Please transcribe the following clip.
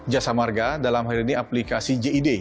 jasa marga dalam hal ini aplikasi jid